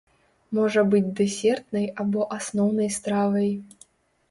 Можа быць дэсертнай або асноўнай стравай.